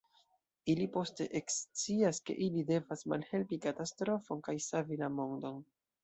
Ili poste ekscias, ke ili devas malhelpi katastrofon kaj savi la mondon.